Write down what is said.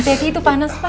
ternyata itu panas pak